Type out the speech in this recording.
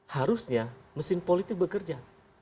harusnya mesin politik bekerja